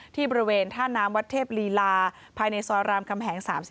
บริเวณท่าน้ำวัดเทพลีลาภายในซอยรามคำแหง๓๔